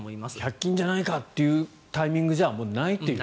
１００均じゃないじゃないかというタイミングじゃもうないという。